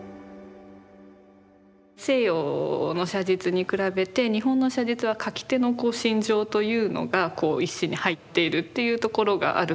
西洋の写実に比べて日本の写実は描き手の心情というのがこう一緒に入っているっていうところがあるかと思います。